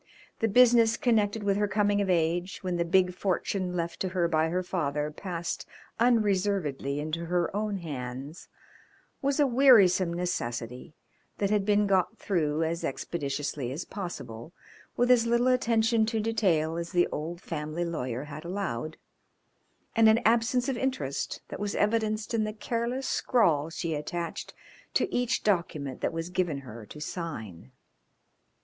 The business connected with her coming of age, when the big fortune left to her by her father passed unreservedly into her own hands, was a wearisome necessity that had been got through as expeditiously as possible, with as little attention to detail as the old family lawyer had allowed, and an absence of interest that was evidenced in the careless scrawl she attached to each document that was given her to sign.